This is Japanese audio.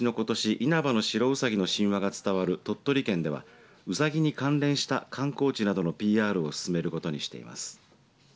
因幡の白うさぎの神話が伝わる鳥取県ではうさぎに関連した観光地などのＰＲを進めることにしています。